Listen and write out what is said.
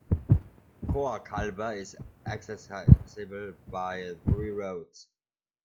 Khor Kalba is accessible by three roads.